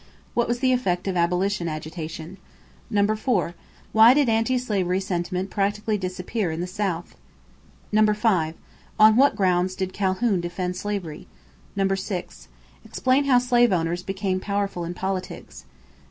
What was the effect of abolition agitation? 4. Why did anti slavery sentiment practically disappear in the South? 5. On what grounds did Calhoun defend slavery? 6. Explain how slave owners became powerful in politics. 7.